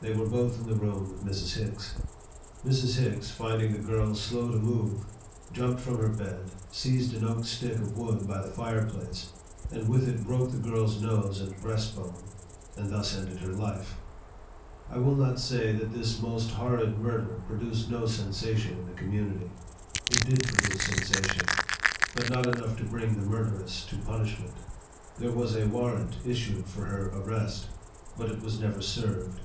They were both in the room with Mrs. Hicks. Mrs. Hicks, finding the girl slow to move, jumped from her bed, seized an oak stick of wood by the fireplace, and with it broke the girl's nose and breastbone, and thus ended her life. I will not say that this most horrid murder produced no sensation in the community. It did produce sensation, but not enough to bring the murderess to punishment. There was a warrant issued for her arrest, but it was never served.